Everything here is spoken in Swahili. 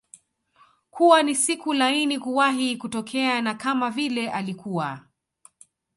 kuwa ni siku laini kuwahi kutokea na kama vile alikuwa